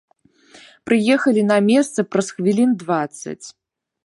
Прыехалі на месца праз хвілін дваццаць.